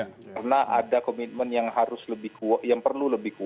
karena ada komitmen yang harus lebih kuat yang perlu lebih kuat